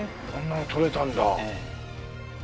こんなの撮れたんだ。